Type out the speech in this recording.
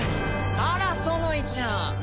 あらソノイちゃん。